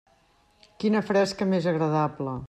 Quina fresca més agradable.